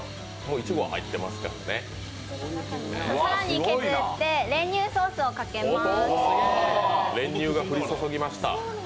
更に削って、練乳ソースをかけます。